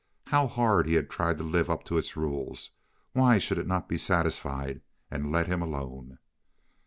How hard he had tried to live up to its rules! Why should it not be satisfied and let him alone?